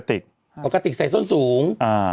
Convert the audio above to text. ไม่ใช่ใส่ส้นสูง